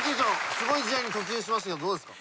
すごい時代に突入しましたけどどうですか？